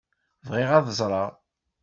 Bɣiɣ ad ẓṛeɣ.